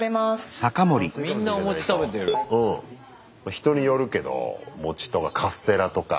人によるけど餅とかカステラとかさつまいもとか。